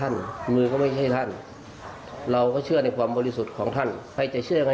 นี่ไงพระไม่เชื่อ